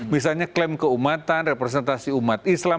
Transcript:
misalnya klaim keumatan representasi umat islam